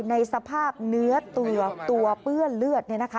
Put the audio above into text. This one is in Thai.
ในสภาพเนื้อตัวตัวเปื้อเลือดนี่นะคะ